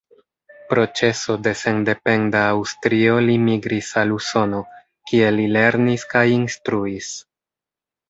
Pro ĉeso de sendependa Aŭstrio li migris al Usono, kie li lernis kaj instruis.